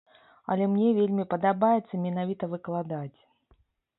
Але мне вельмі падабаецца менавіта выкладаць.